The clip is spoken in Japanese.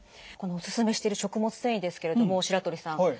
このおすすめしてる食物繊維ですけれども白鳥さん